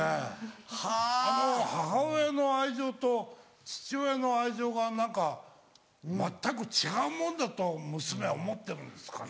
あの母親の愛情と父親の愛情が何か全く違うものだと娘は思ってるんですかね？